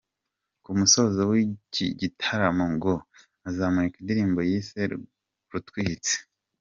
Ku musozo w’iki gitaramo, ngo azamurika indirimbo yise ‘Rutwitsi’.